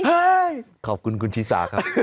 ขอบคุณคุณชีสาครับ